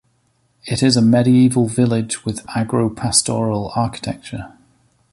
It is a medieval village with agro-pastoral architecture.